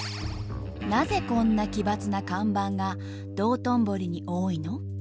なぜこんな奇抜な看板が道頓堀に多いの？